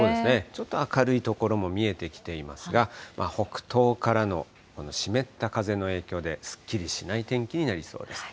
ちょっと明るい所も見えてきていますが、北東からの湿った風の影響で、すっきりしない天気になりそうです。